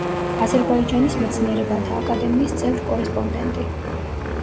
აზერბაიჯანის მეცნიერებათა აკადემიის წევრ-კორესპონდენტი.